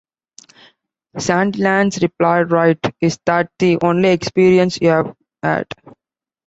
Sandilands replied: Right... is that the only experience you've had?